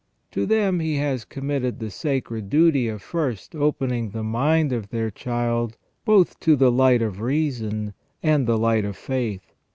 To them He has committed the sacred duty of first opening the mind of their child both to the light of reason and the light of faith.